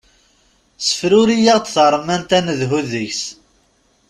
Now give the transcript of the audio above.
Ssefruri-aɣ-d taremmant ad nedhu deg-s.